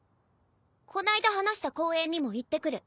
こないだ話した公園にも行ってくる。